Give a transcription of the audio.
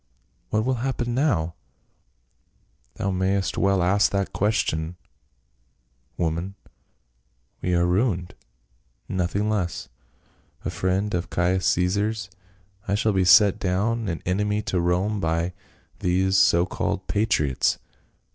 "What will happen now?" " Thou mayst well ask that question, woman ! We are ruined — nothing less. A friend of Caius Caesar's, I shall be set down an enemy to Rome by these so called patriots.